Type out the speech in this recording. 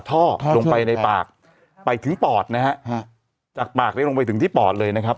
ท่อลงไปในปากไปถึงปอดนะฮะจากปากนี้ลงไปถึงที่ปอดเลยนะครับ